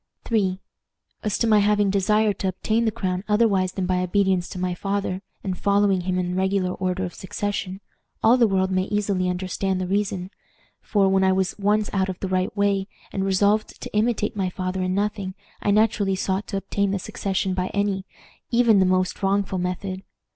"III. As to my having desired to obtain the crown otherwise than by obedience to my father, and following him in regular order of succession, all the world may easily understand the reason; for, when I was once out of the right way, and resolved to imitate my father in nothing, I naturally sought to obtain the succession by any, even the most wrongful method.